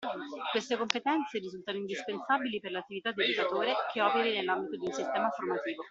Queste competenze risultano indispensabili per l'attività di educatore che operi nell'ambito di un sistema formativo.